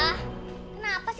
kau mau dikongsi